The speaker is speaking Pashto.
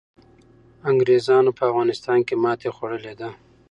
انګریزانو په افغانستان کي ماتي خوړلي ده.